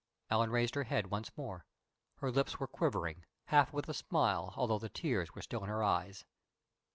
Ellen raised her head once more. Her lips were' quivering, half with a smile, although the tears were still in her eyes.